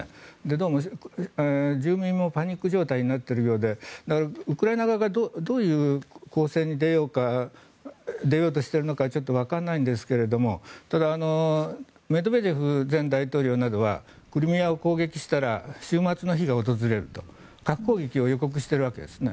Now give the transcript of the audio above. どうも、住民もパニック状態になっているようでウクライナ側がどういう攻勢に出ようとしているのかちょっとわからないんですがただメドベージェフ前大統領などはクリミアを攻撃したら終末の日が訪れると核攻撃を予告しているわけですね。